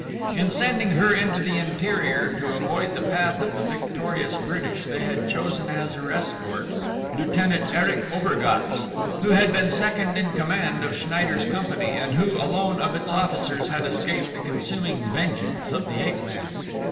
In sending her into the interior to avoid the path of the victorious British, they had chosen as her escort Lieutenant Erich Obergatz who had been second in command of Schneider's company, and who alone of its officers had escaped the consuming vengeance of the ape man.